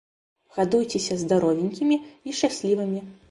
Гадуйцеся здаровенькімі і шчаслівымі.